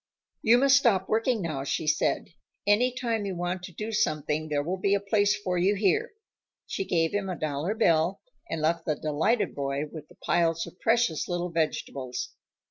"You must stop working now," she said. "Any time you want to do something, there will be a place for you here." She gave him a dollar bill, and left the delighted boy with the piles of precious little vegetables.